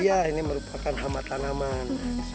iya ini merupakan hama tanaman